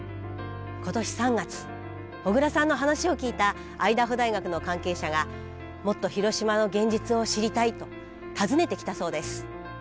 今年３月小倉さんの話を聞いたアイダホ大学の関係者がもっと広島の現実を知りたいと訪ねてきたそうです。